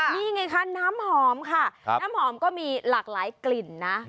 นี่ไงคะน้ำหอมค่ะน้ำหอมก็มีหลากหลายกลิ่นนะ